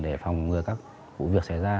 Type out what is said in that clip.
để phòng ngừa các vụ việc xảy ra